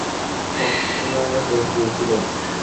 স্বপ্নে বেঁচেই ছিলেন।